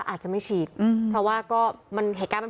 เพราะถ้าไม่ฉีดก็ไม่ได้